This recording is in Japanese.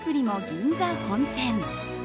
銀座本店。